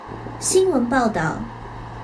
新聞報導